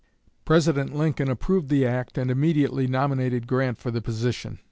President Lincoln approved the act, and immediately nominated Grant for the position.